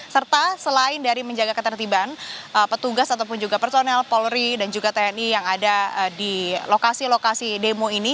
serta selain dari menjaga ketertiban petugas ataupun juga personel polri dan juga tni yang ada di lokasi lokasi demo ini